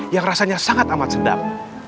yang rasanya sangat amat sedap